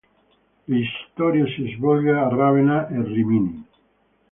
La storia si svolge a Ravenna e Rimini.